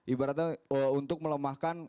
ibaratnya untuk melemahkan